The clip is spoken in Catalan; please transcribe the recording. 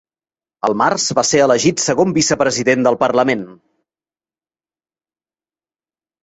Al març va ser elegit segon vicepresident del parlament.